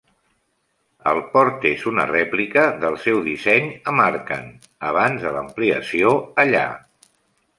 El port és una rèplica del seu disseny a Marken abans de l'ampliació allà.